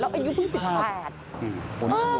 แล้วอายุเพิ่ง๑๘